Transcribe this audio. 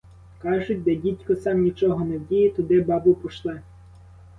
Кажуть: де дідько сам нічого не вдіє, туди бабу пошле.